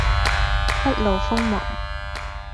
不露鋒芒